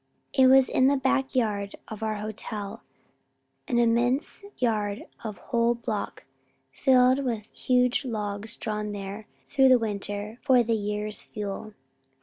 It was in the back yard of our hotel, an immense yard of a whole block, filled with huge logs drawn there through the winter for the year's fuel.